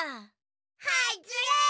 はっずれ！